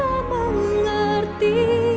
mengapa kau tak mengerti